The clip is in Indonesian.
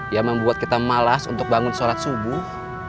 yang membuat kita malas untuk bangun sholat subuh